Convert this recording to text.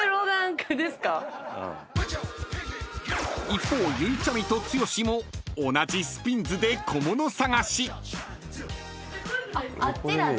［一方ゆいちゃみと剛も同じＳＰＩＮＮＳで小物探し］